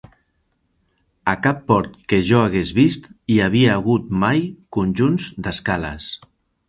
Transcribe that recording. A cap port que jo hagués vist hi havia hagut mai conjunts d'escales.